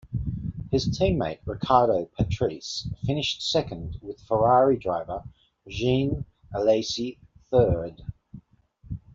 His teammate Riccardo Patrese finished second with Ferrari driver Jean Alesi third.